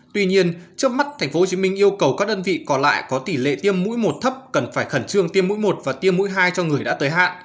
tuy nhiên trước mắt tp hcm yêu cầu các đơn vị còn lại có tỷ lệ tiêm mũi một thấp cần phải khẩn trương tiêm mũi một và tiêm mũi hai cho người đã tới hạn